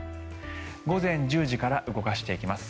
午前１０時から動かしていきます。